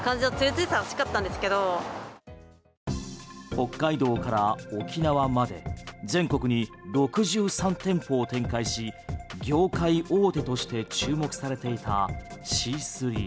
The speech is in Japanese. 北海道から沖縄まで全国に６３店舗を展開し業界大手として注目されていたシースリー。